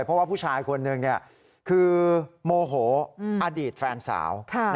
เพราะว่าผู้ชายคนหนึ่งคือโมโหอดีตแฟนสาว